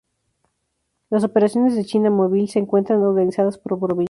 Las operaciones de China Mobile se encuentran organizadas por provincia.